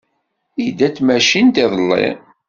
Yedda d tmacint iḍelli.